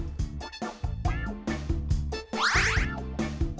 อะไรกันบ้าง